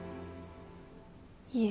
いえ。